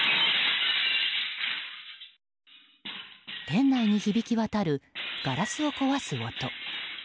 店内に響き渡るガラスを壊す音。